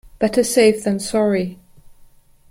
Better safe than sorry.